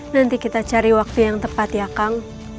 nanti kita cari waktu yang tepat ya kang